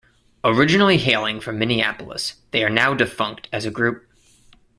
Originally hailing from Minneapolis, they are now defunct as a group.